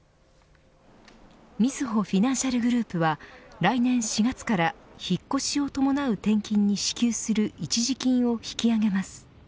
みずほフィナンシャルグループは来年４月から引っ越しを伴う転勤に支給する一時金を引き上げます。